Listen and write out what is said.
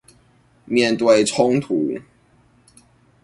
面對衝突